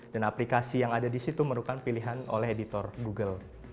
dan aplikasi yang ada di situ merupakan pilihan oleh editor google